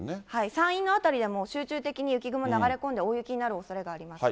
山陰の辺りでも集中的に雪雲流れ込んで、大雪になるおそれがあります。